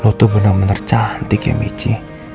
lu tuh bener bener cantik ya michi